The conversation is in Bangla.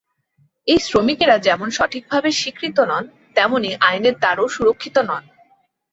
এই শ্রমিকেরা যেমন সঠিকভাবে স্বীকৃত নন, তেমনি আইনের দ্বারাও সুরক্ষিত নন।